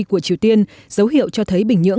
của triều tiên dấu hiệu cho thấy bình nhưỡng